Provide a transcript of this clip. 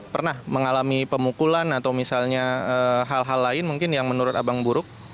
pernah mengalami pemukulan atau misalnya hal hal lain mungkin yang menurut abang buruk